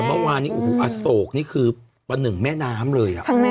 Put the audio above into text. แต่เมื่อวานอโศกนี่คือวันหนึ่งแม่น้ำเลย